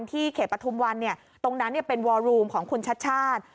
เขตปฐุมวันตรงนั้นเป็นวอรูมของคุณชัดชาติ